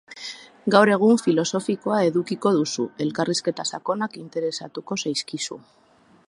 Gaur egun filosofikoa edukiko duzu, elkarrizketa sakonak interesatuko zaizkizu.